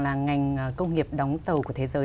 là ngành công nghiệp đóng tàu của thế giới